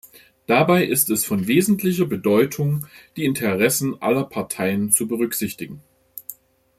Dabei ist es von wesentlicher Bedeutung, die Interessen aller Parteien zu berücksichtigen.